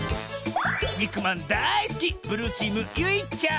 にくまんだいすきブルーチームゆいちゃん。